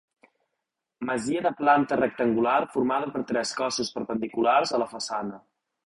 Masia de planta rectangular formada per tres cossos perpendiculars a la façana.